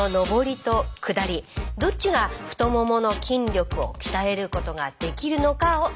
どっちが太ももの筋力を鍛えることができるのかを調べたものです。